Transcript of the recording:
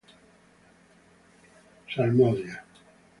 Salmodia